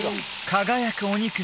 輝くお肉